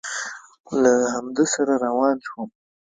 له همده سره روان شوم.